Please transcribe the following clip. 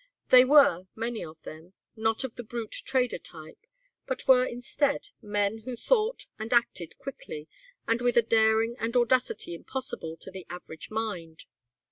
They were, many of them, not of the brute trader type, but were, instead, men who thought and acted quickly and with a daring and audacity impossible to the average mind.